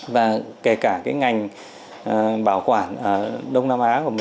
và kể cả cái ngành bảo quản ở đông nam á